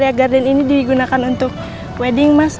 ya berani dong mas